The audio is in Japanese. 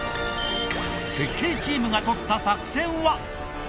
設計チームがとった作戦は。